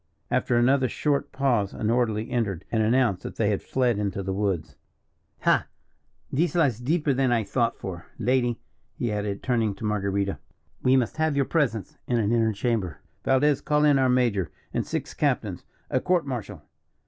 After another short pause an orderly entered, and announced that they had fled into the woods. "Ha! this lies deeper than I thought for, lady," he added, turning to Marguerita; "we must have your presence in an inner chamber. Valdez, call in our major and six captains, a court martial.